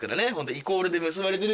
イコールで結ばれてる。